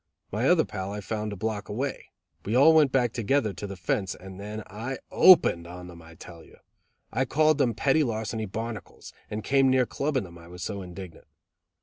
My other pal I found a block away. We all went back together to the fence, and then I opened on them, I tell you. I called them petty larceny barnacles, and came near clubbing them, I was so indignant.